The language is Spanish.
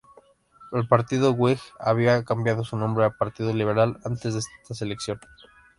El Partido Whig había cambiado su nombre a Partido Liberal antes de esta elección.